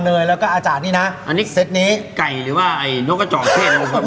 เนยแล้วก็อาจารย์นี่นะอันนี้เซ็ตนี้ไก่หรือว่าไอ้นกกระจอกเทศ